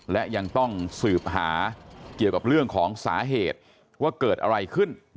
และยังต้องสืบหาเกี่ยวกับเรื่องของสาเหตุว่าเกิดอะไรขึ้น